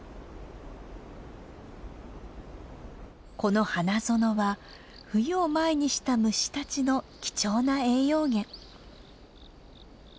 この花園は冬を前にした虫たちの貴重な栄養源。